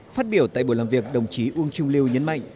phát biểu tại buổi làm việc đồng chí uông trung lưu nhấn mạnh